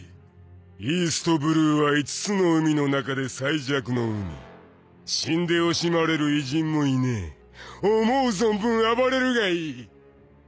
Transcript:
イーストブルーは５つの海の中で最弱の海死んで惜しまれる偉人もいねえ思う存分暴れるがいい